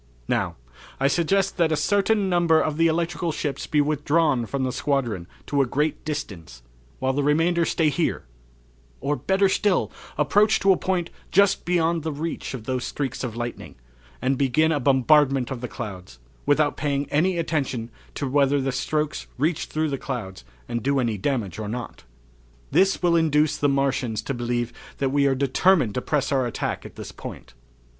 "Now, I suggest that a certain number of the electrical ships be withdrawn from the squadron to a great distance, while the remainder stay here; or, better still, approach to a point just beyond the reach of those streaks of lightning, and begin a bombardment of the clouds without paying any attention to whether the strokes reach through the clouds and do any damage or not." "This will induce the Martians to believe that we are determined to press our attack at this point."